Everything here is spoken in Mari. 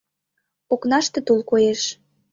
Окнаште тул коеш.